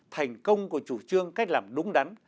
thành công của chủ trương cách làm đúng đắn